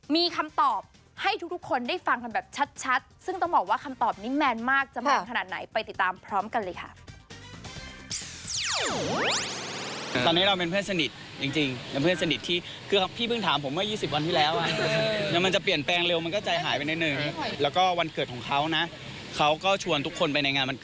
มีคำตอบให้ทุกทุกคนได้ฟังกันแบบชัดชัดซึ่งต้องบอกว่าคำตอบนี้แมนมากจะมากขนาดไหนไปติดตามพร้อมกันเลยค่ะตอนนี้เราเป็นเพื่อนสนิทจริงจริงเป็นเพื่อนสนิทที่คือพี่เพิ่งถามผมว่ายี่สิบวันที่แล้วอ่ะแต่มันจะเปลี่ยนแปลงเร็วมันก็ใจหายไปในหนึ่งแล้วก็วันเกิดของเขานะเขาก็ชวนทุกคนไปในงานว